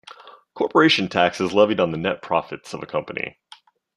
Corporation tax is levied on the net profits of a company.